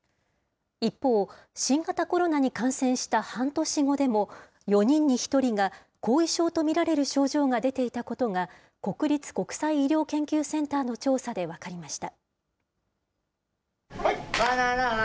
一方、新型コロナに感染した半年後でも、４人に１人が後遺症と見られる症状が出ていたことが、国立国際医療研究センターの調査で分かりました。